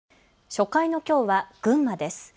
初回のきょうは群馬です。